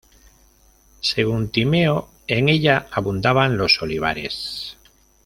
Según Timeo en ella abundaban los olivares.